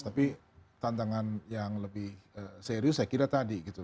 tapi tantangan yang lebih serius saya kira tadi gitu